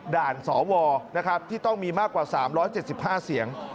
ด่านสวนะครับที่ต้องมีมากกว่า๓๗๕เสียง